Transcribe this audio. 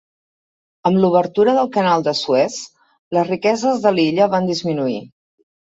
Amb l'obertura del Canal de Suez, les riqueses de l'illa van disminuir.